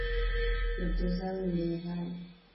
ploti zao ni bei ghali.